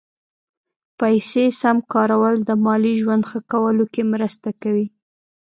پیسې سم کارول د مالي ژوند ښه کولو کې مرسته کوي.